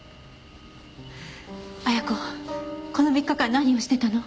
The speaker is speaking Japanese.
亜矢子この３日間何をしてたの？